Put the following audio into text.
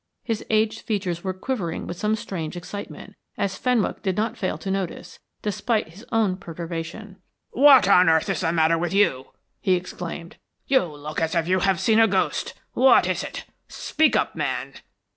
His aged features were quivering with some strange excitement, as Fenwick did not fail to notice, despite his own perturbation. "What on earth is the matter with you?" he exclaimed. "You look as if you had seen a ghost! What is it? Speak up, man!"